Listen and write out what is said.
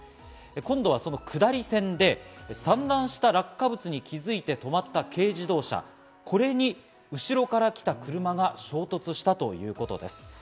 今度は下り線で散乱した落下物に気づいて止まった軽自動車、これに後ろから来た車が衝突したということです。